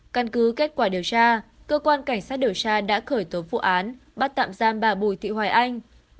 căn cứ kết quả điều tra cơ quan cảnh sát điều tra đã khởi tố vụ án bắt tạm giam bà bùi thị hoài anh